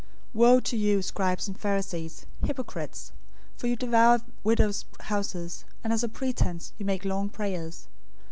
023:013 "Woe to you, scribes and Pharisees, hypocrites! For you devour widows' houses, and as a pretense you make long prayers.